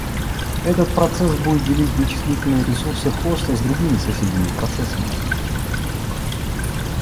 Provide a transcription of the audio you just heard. Этот процесс будет делить вычислительные ресурсы хоста с другими соседними процессами